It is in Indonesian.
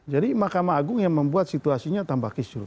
jadi mahkamah agung yang membuat situasinya tanpa kisru